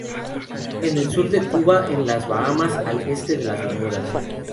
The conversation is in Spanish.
En el sur de Cuba, en las Bahamas al este de las Bermudas.